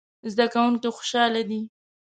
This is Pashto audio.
زده کوونکي خوشحاله دي